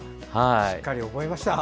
しっかり覚えました。